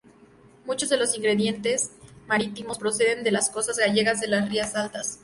Muchos de los ingredientes marítimos proceden de las costas gallegas de las Rías Altas.